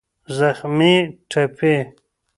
زخمي √ ټپي